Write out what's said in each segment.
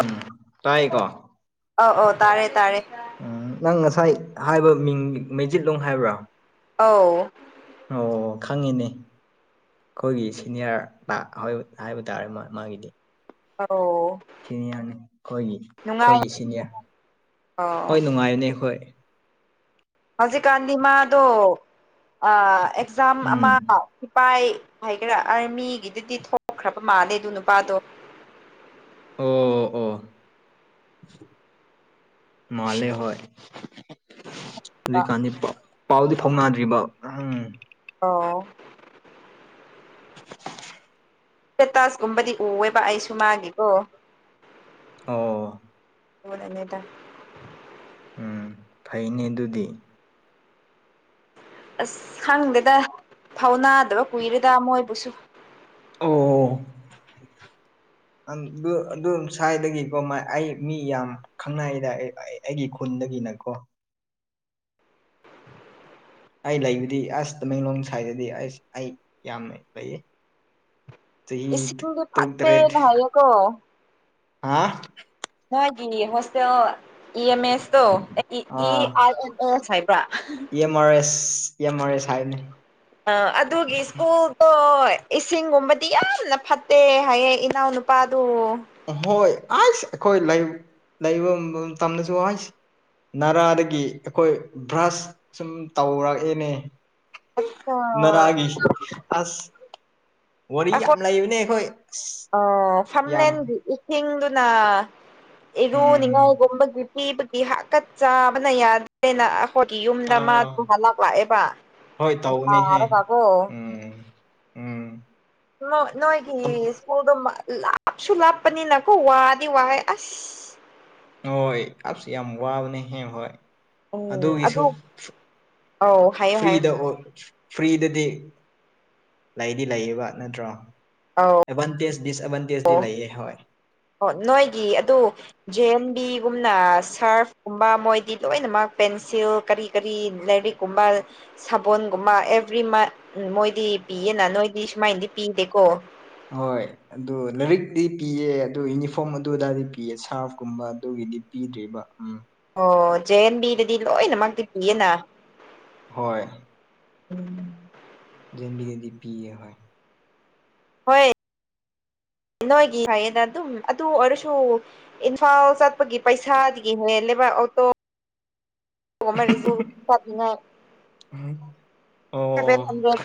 ꯎꯝ ꯇꯥꯏꯌꯦꯀꯣ ꯑꯧ ꯑꯧ ꯇꯥꯔꯦ ꯇꯥꯔꯦ ꯎꯝ ꯅꯪ ꯉꯁꯥꯏ ꯍꯥꯏꯕ ꯃꯤꯡ ꯃꯩꯖꯤꯠꯂꯣꯡ ꯍꯥꯏꯕ꯭ꯔꯥ ꯑꯧ ꯑꯣ ꯈꯪꯉꯤꯅꯦ ꯑꯈꯣꯏꯒꯤ ꯁꯤꯅꯤꯌꯥꯔ ꯍꯥꯏꯕ ꯇꯥꯔꯦ ꯃꯥꯒꯤ ꯑꯧ ꯁꯤꯅꯤꯌꯥꯔꯅꯤ ꯈꯣꯏꯒꯤ ꯅꯨꯡꯉꯥꯏ ꯈꯣꯏꯒꯤ ꯁꯤꯅꯤꯌꯥꯔ ꯑꯧ ꯍꯣꯏ ꯅꯨꯡꯉꯥꯏꯕꯅꯦ ꯈꯣꯏ ꯍꯧꯖꯤꯛꯀꯥꯟꯗꯤ ꯃꯥꯗꯣ ꯑꯦꯛꯖꯥꯝ ꯑꯃꯥ ꯎꯝ ꯏꯄꯥꯏ ꯍꯥꯏꯒꯦꯔꯥ ꯑꯥꯔꯃꯤꯒꯤ ꯗꯨꯏꯇꯤ ꯊꯣꯛꯈ꯭ꯔꯕꯥ ꯃꯥꯜꯂꯦ ꯑꯗꯨ ꯅꯨꯄꯥꯗꯣ ꯑꯣ ꯑꯣ ꯃꯥꯜꯂꯦ ꯍꯣꯏ ꯄꯥꯎꯗꯤ ꯐꯥꯎꯅꯥꯗ꯭ꯔꯤꯕ ꯎꯝ ꯑꯣ ꯄꯦꯇꯥꯁ ꯀꯨꯝꯕꯗꯤ ꯎꯋꯦꯕꯥ ꯑꯩꯁꯨꯨ ꯃꯥꯒꯤꯀꯣ ꯑꯣ ꯍꯗꯅꯤꯗ ꯎꯝ ꯐꯩꯅꯦ ꯑꯗꯨꯗꯤ ꯑꯁ ꯈꯪꯗꯦꯗ ꯐꯧꯅꯥꯗꯕ ꯀꯨꯏꯔꯦꯗ ꯃꯣꯏꯕꯨꯁꯨ ꯑꯣ ꯑꯗꯨ ꯑꯗꯨ ꯁ꯭ꯋꯥꯏꯗꯒꯤꯀꯣ ꯑꯩ ꯃꯤ ꯌꯥꯝ ꯈꯪꯅꯩꯗ ꯑꯩ ꯑꯩꯒꯤ ꯈꯨꯟꯗꯒꯤꯅꯀꯣ ꯑꯩ ꯂꯩꯕꯗꯤ ꯑꯁ ꯇꯃꯦꯡꯂꯣꯡ ꯁꯥꯏꯗꯗꯤ ꯑꯩꯁ ꯑꯩ ꯌꯥꯝ ꯂꯩꯌꯦ ꯆꯍꯤ ꯏꯁꯤꯡꯗꯤ ꯇꯔꯨꯛ ꯇꯔꯦꯠ ꯐꯠꯇꯦꯅ ꯍꯥꯏꯌꯦꯀꯣ ꯍꯥ ꯅꯒꯤ ꯍꯣꯁꯇꯦꯜ ꯏ ꯑꯦꯝ ꯑꯦꯁꯇꯣ ꯏ ꯑꯥ ꯑꯥꯔ ꯑꯦꯟ ꯑꯦꯁ ꯍꯥꯏꯕ꯭ꯔꯥ M R S M R S ꯍꯥꯏꯕꯅꯤ ꯑ ꯑꯗꯨꯒꯤ ꯁ꯭ꯀꯨꯜꯗꯣ ꯏꯁꯤꯡꯒꯨꯝꯕꯗꯤ ꯌꯥꯝꯅ ꯐꯠꯇꯦ ꯍꯥꯏꯌꯦꯡ ꯏꯅꯥꯎꯅꯨꯄꯥꯗꯨ ꯍꯣꯏ ꯑꯩꯁ ꯑꯩꯈꯣꯏ ꯂꯩ ꯂꯩꯕ ꯇꯝꯅꯁꯨ ꯍꯥꯏꯁ ꯔꯥꯗꯒꯤ ꯑꯩꯈꯣꯏ ꯕ꯭ꯔꯁ ꯁꯨꯝ ꯇꯧꯔꯛꯑꯦꯅꯦ ꯑꯥ ꯅꯅꯥꯥꯒꯤ ꯑꯁ ꯋꯥꯔꯤ ꯌꯥꯝ ꯂꯩꯕꯅꯦ ꯑꯩꯈꯣꯏ ꯑꯣ ꯑ ꯐꯝꯂꯦꯟꯒꯤ ꯏꯁꯤꯡꯗꯨꯅ ꯎꯝ ꯏꯔꯨꯅꯤꯡꯉꯥꯏꯒꯨꯝꯕꯒꯤ ꯊꯤꯕꯒꯤ ꯍꯥꯀꯠ ꯆꯥꯕꯅ ꯌꯥꯗ꯭ꯔꯦꯅ ꯑꯩꯣꯒꯤ ꯌꯨꯝꯗ ꯃꯥ ꯑꯥ ꯇ ꯂꯥꯛꯂꯥꯛꯑꯦꯕ ꯍꯣꯏ ꯇꯧꯕꯅꯦꯍꯦ ꯑꯔꯦ ꯀꯥꯕꯣꯣꯏ ꯎꯝ ꯎꯝ ꯅꯣꯏꯒꯤ ꯁ꯭ꯀꯨꯜꯗꯣ ꯂꯥꯞꯁꯨ ꯂꯥꯞꯄꯅꯤꯅꯀꯣ ꯋꯥꯗꯤ ꯋꯥꯍ ꯑꯁ ꯍꯣꯏ ꯑꯞꯁꯨ ꯌꯥꯝ ꯋꯥꯕꯅꯦ ꯍꯌꯦ ꯍꯣꯏ ꯎꯝ ꯑꯗꯨꯒꯤꯁꯨ ꯑꯗꯨ ꯑꯧ ꯍꯥꯏꯌꯣ ꯍꯥꯏꯌꯣ ꯐ꯭ꯔꯤꯗ ꯑꯣꯏ ꯐ꯭ꯔꯤꯗꯗꯤ ꯂꯩꯗꯤ ꯂꯩꯌꯦꯕ ꯅꯠꯇ꯭ꯔꯣ ꯑꯥꯎ ꯑꯦꯗꯚꯥꯟꯇꯦꯖ ꯗꯤꯁꯑꯦꯗꯚꯥꯟꯇꯦꯖꯇꯤ ꯂꯩꯌꯦ ꯍꯣꯏ ꯑꯣ ꯅꯣꯏꯒꯤ ꯑꯗꯨ ꯖꯦ ꯑꯟ ꯕꯤꯒꯨꯝꯅ ꯁꯥꯔꯐꯀꯨꯝꯕ ꯃꯣꯏꯗꯤ ꯂꯣꯏꯅꯃꯛ ꯄꯦꯟꯁꯤꯜ ꯀꯔꯤ ꯀꯔꯤ ꯂꯥꯏꯔꯤꯛ ꯀꯨꯝꯕ ꯁꯥꯕꯣꯟꯒꯨꯝꯕ ꯑꯦꯚ꯭ꯔꯤ ꯃꯟ ꯃꯣꯏꯗꯤ ꯄꯤꯌꯦꯅ ꯅꯣꯏꯗꯤ ꯁꯨꯃꯥꯏꯅꯗꯤ ꯄꯤꯗꯦꯀꯣ ꯍꯣꯏ ꯑꯗꯨ ꯂꯥꯏꯔꯤꯛꯇꯤ ꯄꯤꯑ ꯑꯗꯨ ꯌꯨꯅꯤꯐꯣꯔꯝ ꯑꯗꯨꯗꯥꯏꯗꯤ ꯄꯤꯑ ꯁꯥꯔꯐꯀꯨꯝꯕ ꯑꯗꯨꯒꯤꯗꯤ ꯄꯤꯗ꯭ꯔꯤꯕ ꯎꯝ ꯑꯣ ꯖꯦ ꯑꯦꯟ ꯕꯤꯗꯗꯤ ꯂꯣꯏꯅꯃꯛꯇꯤ ꯄꯤꯌꯦꯅ ꯍꯣꯏ ꯖꯦ ꯑꯦꯟ ꯕꯤꯗꯗꯤ ꯄꯤꯌꯦ ꯍꯣꯏ ꯍꯣꯏ ꯅꯣꯏꯒꯤ ꯍꯥꯏꯌꯦꯗ ꯑꯗꯨꯝ ꯑꯗꯨ ꯑꯣꯏꯔꯁꯨ ꯏꯝꯐꯥꯜ ꯆꯠꯄꯒꯤ ꯄꯩꯁꯥꯗꯒꯤ ꯍꯦꯜꯂꯦꯕ ꯑꯣꯇꯣ ꯔꯤ ꯑꯣ [unintelligible] [inaudible]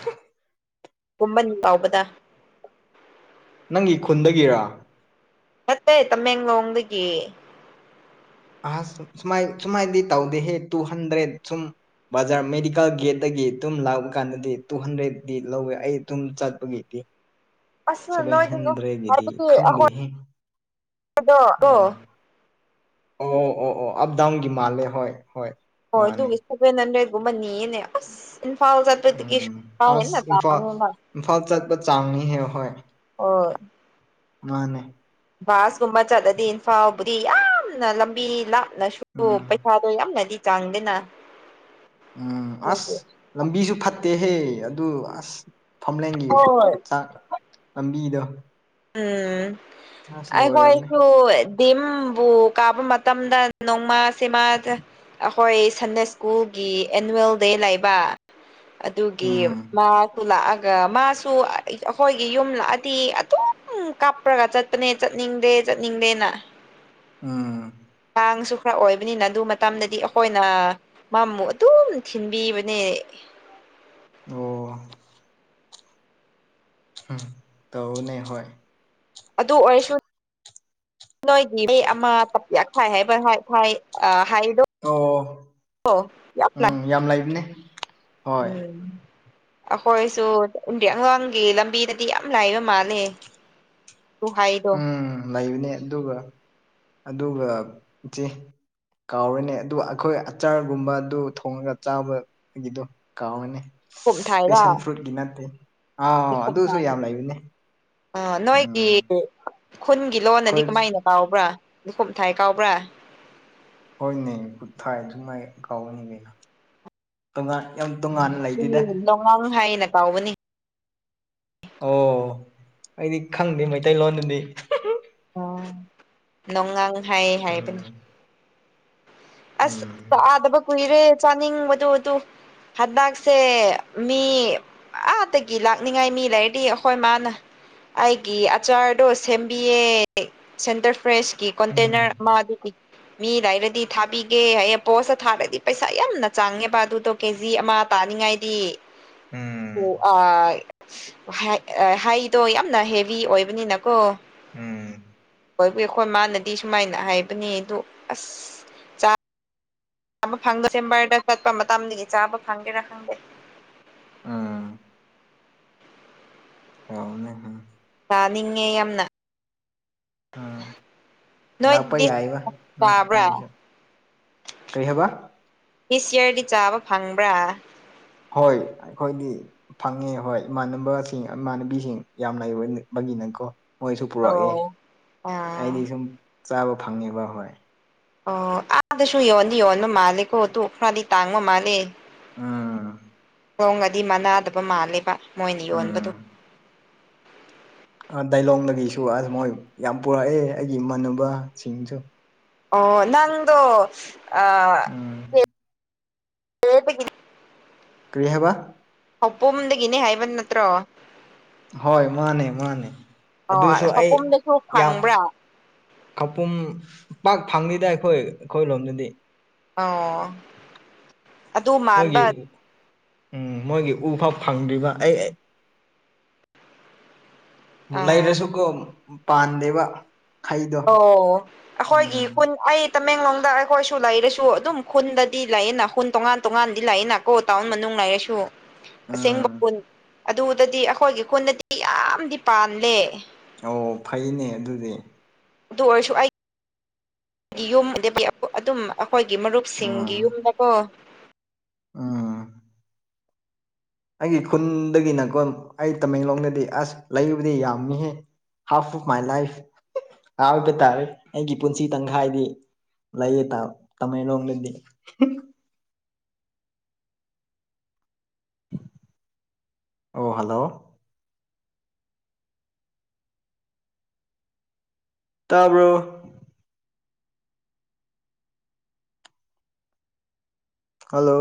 ꯀꯨꯝꯃꯟ ꯀꯥꯎꯕꯗ ꯅꯪꯒꯤ ꯈꯨꯟꯗꯒꯤꯔꯥ ꯅꯠꯇꯦ ꯇꯃꯦꯡꯂꯣꯡꯗꯒꯤ ꯑꯍ ꯁꯨꯃ ꯁꯨꯃꯥꯏꯅꯗꯤ ꯇꯧꯗꯦꯍꯦ ꯇꯨ ꯍꯟꯗ꯭ꯔꯦꯠ ꯁꯨꯝ ꯕꯖꯥꯔ ꯃꯦꯗꯤꯀꯦꯜ ꯒꯦꯠꯇꯒꯤ ꯇꯨꯝ ꯂꯥꯛꯄ ꯀꯥꯟꯗꯗꯤ ꯇꯨ ꯍꯟꯗ꯭ꯔꯦꯗꯤ ꯂꯧꯋꯦ ꯑꯩ ꯇꯨꯝ ꯆꯠꯄꯒꯤ ꯑꯁ ꯁꯚꯦꯟ ꯅꯣꯏꯗꯨ ꯍꯟꯗ꯭ꯔꯦꯗꯀꯤꯗꯤ ꯍꯥꯏꯕꯗꯤ ꯑꯩꯈꯣꯏ ꯈꯪꯗꯦꯍ ꯑꯗꯣ ꯀꯣ ꯑꯣ ꯑꯣ ꯑꯣ ꯑꯣ ꯑꯞꯗꯥꯎꯟꯒꯤ ꯃꯥꯜꯂꯦ ꯍꯣꯏ ꯍꯣꯏ ꯍꯣꯏ ꯃꯥꯅꯦ ꯑꯗꯨꯒꯤ ꯁꯚꯦꯟ ꯍꯟꯗ꯭ꯔꯦꯗꯒꯨꯝꯕ ꯅꯤꯅꯦ ꯑꯁ ꯏꯝꯐꯥꯜ ꯆ ꯎꯝ ꯑꯁ ꯏꯝꯐꯥꯜ [unintelligible] ꯏꯝꯐꯥꯜ ꯆꯠꯄ ꯆꯥꯡꯅꯤꯍꯦ ꯍꯣꯏ ꯑꯣ ꯃꯥꯅꯦ ꯕꯥꯁ ꯀꯨꯝꯕ ꯆꯠꯂꯗꯤ ꯏꯝꯐꯥꯜꯕꯨꯗꯤ ꯌꯥꯝꯅ ꯂꯝꯕꯤ ꯂꯥꯞꯅꯁꯨ ꯎꯝ ꯄꯩꯁꯥ ꯌꯥꯝꯅꯗꯤ ꯇꯥꯡꯗꯦꯅ ꯎꯝ ꯑꯁ ꯂꯝꯕꯤꯁꯨ ꯐꯠꯇꯦꯍꯦ ꯑꯗꯨ ꯑꯁ ꯐꯝꯂꯦꯟꯒꯤ ꯍꯣꯏ ꯆꯥꯛ ꯂꯝꯕꯤꯗꯣ ꯎꯝ ꯑꯁ ꯂꯣꯏꯔꯕꯅꯦ ꯑꯩꯈꯣꯏꯁꯨ ꯗꯤꯝꯕꯨ ꯀꯥꯞꯕ ꯃꯇꯝꯗ ꯅꯣꯡꯃ ꯁꯤꯃ ꯑꯩꯈꯣꯏ ꯁꯟꯗꯦ ꯁ꯭ꯀꯨꯜꯒꯤ ꯑꯦꯅꯨꯋꯦꯜ ꯗꯦ ꯂꯩꯕ ꯑꯗꯨꯒꯤ ꯎꯝ ꯃꯥꯔꯆ ꯑꯗꯨ ꯂꯥꯛꯑꯒ ꯃꯥꯁꯨ ꯑꯩꯈꯣꯏꯒꯤ ꯌꯨꯝ ꯂꯥꯛꯑꯗꯤ ꯑꯗꯨꯝ ꯀꯥꯞꯄ꯭ꯔꯒ ꯆꯠꯄꯅꯦ ꯆꯠꯅꯤꯡꯗꯦ ꯆꯠꯅꯤꯡꯗꯦꯅ ꯎꯝ ꯑꯉꯥꯡꯁꯨ ꯈꯔ ꯑꯣꯏꯕꯅꯤꯅ ꯑꯗꯨ ꯃꯇꯝꯗꯗꯤ ꯑꯩꯈꯣꯏꯅ ꯃꯥꯃꯨ ꯑꯗꯨꯝ ꯊꯤꯟꯕꯤꯕꯅꯦ ꯑꯣ ꯎꯝ ꯇꯧꯅꯦ ꯍꯣꯏ ꯑꯗꯨ ꯑꯣꯏꯔꯁꯨ ꯅꯣꯏꯒꯤ ꯑꯃ ꯇꯥꯏ ꯍꯥꯏ ꯍꯥꯏꯗꯣ ꯑꯣ ꯍ ꯌꯥꯝ ꯎꯝ ꯌꯥꯝ ꯂꯩꯕꯅꯦ ꯍꯣꯏ ꯎꯝ ꯑꯩꯈꯣꯏꯁꯨ ꯄꯨꯟꯗꯦ ꯑꯒꯥꯡꯒꯤ ꯂꯝꯕꯤꯗꯗꯤ ꯌꯥꯝ ꯂꯥꯏꯕ ꯃꯥꯜꯂꯦ ꯇꯨ ꯍꯥꯏꯗꯣ ꯎꯝ ꯂꯩꯕꯅꯦ ꯑꯗꯨꯒ ꯑꯗꯨꯒ ꯏꯆꯦ ꯀꯥꯎꯔꯤꯅꯦ ꯑꯗꯨ ꯑꯩꯈꯣꯏ ꯑꯆꯥꯔꯒꯨꯝꯕ ꯑꯗꯨ ꯊꯣꯡꯉꯒ ꯆꯥꯕ ꯏꯗꯨ ꯀꯃꯅꯦ ꯈꯣꯝꯊꯥꯏꯔ ꯄꯦꯁꯟ ꯐ꯭ꯔꯨꯠꯀꯤ ꯅꯠꯇꯦ ꯑꯥꯎ ꯑꯗꯨꯁꯨ ꯌꯥꯝ ꯂꯩꯕꯅꯦ ꯑ ꯅꯣꯏꯒꯤ ꯎꯝ ꯈꯨꯟꯒꯤ ꯂꯣꯟꯅꯗꯤ ꯑꯩꯈꯣꯏ ꯀꯃꯥꯏꯅ ꯀꯥꯎꯕ꯭ꯔꯥ ꯀꯨꯝꯝ ꯊꯥꯏ ꯀꯥꯎꯕ꯭ꯔꯥ ꯍꯣꯏꯅꯦ ꯈꯨꯠ ꯊꯥꯏ ꯑꯗꯨꯃꯥꯏ ꯀꯥꯎꯋꯅꯤ ꯀꯩꯅ ꯇꯣꯉꯥꯟ ꯌꯥꯝ ꯇꯣꯉꯥꯟꯅ ꯂꯩꯗꯤꯗ ꯑꯥꯡ ꯍꯥꯏꯅ ꯀꯥꯎꯕꯅꯤ ꯑꯣ ꯑꯩꯗꯤ ꯈꯪꯗꯦ ꯃꯩꯇꯩꯂꯣꯟꯗꯨꯗꯤ ꯅꯣꯡꯉꯥꯡ ꯍꯥꯏ ꯍꯥꯏꯕꯅꯤ ꯎꯝ ꯑꯁ ꯎꯝ ꯆꯥꯗꯕ ꯀꯨꯏꯔꯦ ꯆꯥꯅꯤꯡ ꯃꯇ ꯨ ꯍꯠꯕꯒꯁꯦ ꯃꯤ ꯑꯥꯗꯒꯤ ꯂꯥꯛꯅꯤꯡꯉꯥꯏ ꯃꯤ ꯂꯩꯔꯗꯤ ꯑꯩꯈꯣꯏ ꯃꯥꯅ ꯑꯩꯒꯤ ꯑꯆꯥꯔꯗꯣ ꯁꯦꯝꯕꯤꯌꯦ ꯁꯦꯟꯇꯔ ꯐ꯭ꯔꯦꯁꯀꯤ ꯀꯣꯟꯇꯦꯅꯔ ꯎꯝ ꯑꯃ ꯑꯗꯨꯗꯤ ꯃꯤ ꯂꯩ ꯍꯥꯏꯔꯗꯤ ꯊꯥꯕꯤꯒꯦ ꯍꯌꯦ ꯄꯣꯁ ꯊꯥꯔꯗꯤ ꯄꯩꯁꯥ ꯌꯥꯝꯅ ꯆꯥꯡꯉꯦꯕ ꯑꯗꯨꯗꯣ ꯀꯦꯖꯤ ꯑꯃ ꯇꯥꯅꯤꯉꯥꯏꯗꯤ [unintelligible] ꯑꯣ ꯑ ꯍꯥꯏꯗꯣ ꯌꯥꯝꯅ ꯍꯦꯚ ꯑꯣꯏꯕꯅꯤꯅꯀꯣ ꯎꯝ ꯈꯣꯏ ꯃꯥꯅꯗꯤ ꯁꯨꯃꯥꯏꯅ ꯍꯥꯏꯕꯅꯦ ꯑꯗꯨ ꯑꯁ ꯆꯥ ꯐꯪꯗ ꯆꯕꯥꯔꯗ ꯆꯠꯄ ꯃꯇꯝꯗꯒꯤ ꯆꯥꯕ ꯐꯪꯒꯦꯔꯥ ꯈꯪꯗꯦ ꯎꯝ ꯍꯅꯦ ꯀꯅꯤꯉꯦ ꯌꯥꯝꯅ ꯎꯝ ꯂꯥꯛꯄ ꯅꯣꯏꯗꯤ ꯌꯥꯏꯕ ꯅꯪ ꯆꯥꯕ꯭ꯔꯥ ꯅꯪꯒꯤꯁꯨ ꯀꯩꯍꯕ ꯤꯁ ꯏꯌꯥꯔꯗꯤ ꯆꯥꯕ ꯐꯪꯕ꯭ꯔꯥ ꯍꯣꯏ ꯑꯩꯈꯣꯏꯗꯤ ꯐꯪꯉꯦ ꯍꯣꯏ ꯏꯃꯥꯟꯅꯕꯁꯤꯡ ꯏꯃꯥꯟꯅꯕꯤꯁꯤꯡ ꯌꯥꯝ ꯂꯥꯏꯕꯕꯒꯤꯅꯀꯣ ꯃꯣꯏꯁꯨ ꯄꯨꯔꯛꯏꯦ ꯑꯣ ꯑꯥ ꯑꯩꯗꯤ ꯁꯨꯝ ꯆꯥꯕ ꯐꯪꯉꯦꯕ ꯍꯣꯏ ꯑꯣ ꯑꯥꯗꯁꯨꯨ ꯌꯣꯟꯗꯤ ꯌꯣꯜꯕꯥ ꯃꯥꯂꯦ ꯀꯣ ꯑꯗꯨ ꯈꯔꯥꯗꯤ ꯇꯥꯡꯕꯥ ꯃꯥꯜꯂꯦ ꯎꯝ ꯍꯣꯡꯉꯁꯨ ꯃꯅꯥꯗꯕ ꯃꯥꯜꯂꯦꯕ ꯃꯣꯏꯅ ꯌꯣꯟꯕꯗꯣ ꯎꯝ ꯗꯥꯏꯂꯣꯡꯗꯒꯤꯁꯨ ꯑꯁ ꯃꯣꯏ ꯌꯥꯝ ꯄꯨꯔꯛꯑꯦ ꯑꯩꯒꯤ ꯏꯃꯥꯟꯅꯕꯁꯤꯡꯁꯨ ꯑꯣ ꯅꯪꯗꯣ ꯑ ꯎꯝ ꯀꯔꯤ ꯍꯥꯏꯕ ꯈꯧꯄꯣꯝꯗꯒꯤꯅꯦ ꯍꯥꯏꯕ ꯅꯠꯇ꯭ꯔꯣ ꯍꯣꯏ ꯃꯥꯅꯦ ꯃꯥꯅꯦ ꯑꯣ ꯑꯗꯨꯁꯨ ꯑꯩ ꯈꯧꯄꯨꯝꯗꯁꯨ ꯐꯪꯕ꯭ꯔꯥ ꯀꯄꯨꯝ ꯄꯥꯛ ꯐꯪꯗꯗ ꯑꯩꯈꯣꯏ ꯑꯩꯈꯣꯏ ꯂꯣꯝꯗꯗꯤ [inaudible] ꯑꯣ ꯑꯗꯨ ꯃꯣꯏꯒꯤ ꯃꯥꯟꯕ ꯎꯝ ꯃꯣꯏꯒꯤ ꯎꯐꯥꯎ ꯐꯪꯗ꯭ꯔꯤꯕ ꯑꯩ ꯂꯩꯔꯁꯨꯀꯣ ꯄꯥꯟꯗꯦꯕ ꯍꯩꯗꯣ ꯑꯣ ꯎꯝ ꯑꯩꯈꯣꯏꯒꯤꯟ ꯑꯩ ꯇꯃꯦꯡꯂꯣꯡꯗ ꯑꯩꯈꯣꯏꯁꯨ ꯂꯩꯔꯁꯨ ꯑꯗꯨꯝ ꯈꯨꯟꯗꯗꯤ ꯂꯩꯑꯦꯅ ꯈꯨꯟ ꯇꯣꯉꯥꯟ ꯇꯣꯉꯥꯟꯗꯤ ꯂꯥꯛꯑꯦꯅ ꯀꯣ ꯇꯥꯎꯟ ꯃꯅꯨꯡ ꯂꯩꯔꯁꯨ ꯑꯁꯦꯡꯕ ꯎꯝ ꯈꯨꯨꯟ ꯑꯗꯨꯗꯗꯤ ꯑꯩꯈꯣꯏꯒꯤ ꯈꯨꯟꯗꯗꯤ ꯌꯥꯝꯗꯤ ꯄꯥꯟꯗꯦ ꯑꯣ ꯐꯩꯅꯦ ꯑꯗꯨꯗꯤ ꯑꯗꯨ ꯑꯣꯏꯔꯁꯨ ꯑꯩꯒꯤ ꯌꯨꯝ ꯌꯣꯃꯗꯕꯤ ꯑꯗꯨꯝ ꯑꯩꯈꯣꯏꯒꯤ ꯃꯔꯨꯞꯁꯤꯡꯒꯤ ꯎꯝ ꯌꯨꯝꯗꯀꯣ ꯎꯝ ꯑꯩꯒꯤ ꯈꯨꯟꯗꯒꯤꯅꯀꯣ ꯑꯩ ꯇꯃꯦꯡꯂꯣꯡꯗꯗꯤ ꯑꯁ ꯂꯩꯕꯨꯗꯤ ꯌꯥꯝꯃꯤꯍꯦ ꯍꯥꯐ ꯑꯣꯐ ꯃꯥꯏ ꯂꯥꯏꯐ [unintelligible] ꯇꯥꯔꯦ ꯑꯩꯒꯤ ꯄꯨꯟꯁꯤ ꯇꯪꯈꯥꯏꯗꯤ ꯂꯩꯌꯦ ꯇꯥ ꯇꯥꯃꯦꯡꯂꯣꯡꯗꯗꯤ ꯑꯣ ꯍꯜꯂꯣ ꯇꯥꯕ꯭ꯔꯣ ꯍꯜꯂꯣ